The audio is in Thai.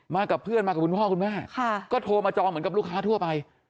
กับเพื่อนมากับคุณพ่อคุณแม่ก็โทรมาจองเหมือนกับลูกค้าทั่วไป